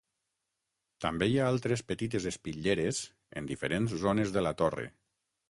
També hi ha altres petites espitlleres en diferents zones de la torre.